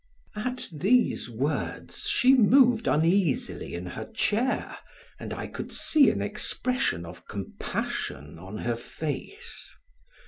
At these words she moved uneasily in her chair and I could see an expression of compassion on her face.